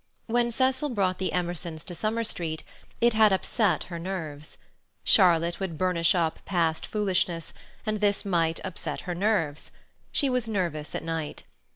When Cecil brought the Emersons to Summer Street, it had upset her nerves. Charlotte would burnish up past foolishness, and this might upset her nerves. She was nervous at night.